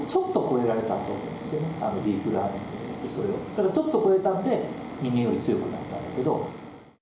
ただちょっと超えたんで人間より強くなったんだけど。